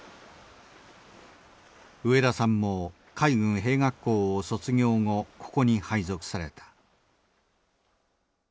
植田さんも海軍兵学校を卒業後ここに配属された。